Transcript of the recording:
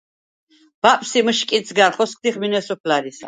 ბაპს ი მჷშკიდს გარ ხოსგდიხ მინე სოფლარისა.